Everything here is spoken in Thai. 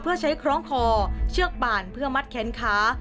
เพื่อใช้คล้องคอเชือกบานเพื่อมัดแขนขา